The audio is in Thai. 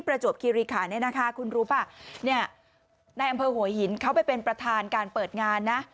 ประจวบคิริขันเนี่ยนะคะคุณรู้ป่ะเนี่ยในอำเภอหัวหินเขาไปเป็นประธานการเปิดงานนะ